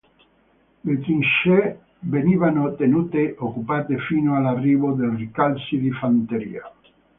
Le trincee venivano tenute occupate fino all'arrivo dei rincalzi di fanteria.